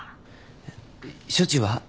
えっ処置は？